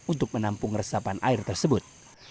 untuk menampung resapan air tersebut